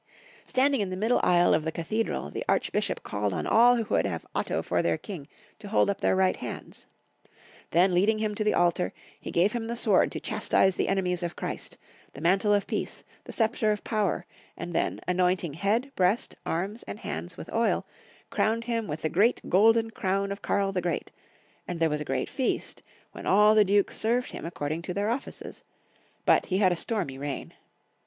Standing in the middle aisle of the cathedi'al, the archbishop called on all who would have Otto for their king to hold up their right hands. Then, leading him to the Altar, he gave him the sword to chastise the enemies of Christ, the mantle of peace, the sceptre of power, and then, anointing head, breast, arms, and hands with oil, crowned him with the golden crown of Karl the Great ; and there was a gi eat feast, when all the dukes served him according to their ofl&ces ; but he had a stormy reign.